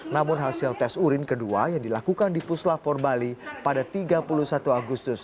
namun hasil tes urin kedua yang dilakukan di pusla for bali pada tiga puluh satu agustus